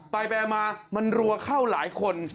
ไปมามันรัวเข้าหลายคน